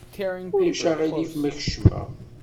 Ulac aɣilif ma kecmeɣ?